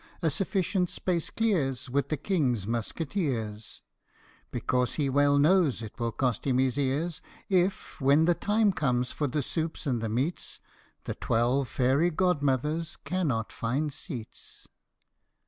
A sufficient space clears With the King's Musqueteers, Because he well knows it will cost him his ears If when the time comes for the soups and the meats The twelve fairy godmothers cannot find seats.